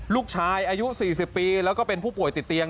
ลูกชายอายุ๔๐ปีของผู้ป่วยติดเตียง